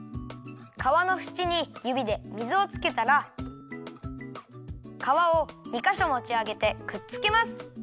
かわのふちにゆびで水をつけたらかわを２かしょもちあげてくっつけます！